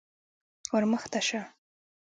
_ور مخته شه.